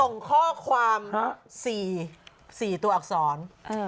ส่งข้อความ๔ตัวอักษร